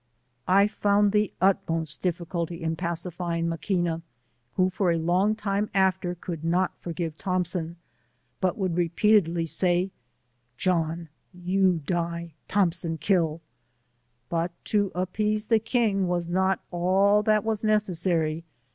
I found the utmost difficulty in pacifying Maquina, who F 2 66 for a long time after could not forgive ThompsoG^ but would repeatedly say, " John, i/ou die — Thompson kill,*' But to appease the king was not all that wa8 necessary.